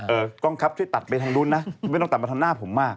กล้องครับช่วยตัดไปทางนู้นนะไม่ต้องตัดมาทางหน้าผมมาก